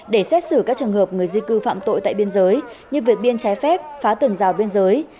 để xét xử các trường hợp người di cư phạm tội tại biên giới như vượt biên trái phép phá tường rào biên giới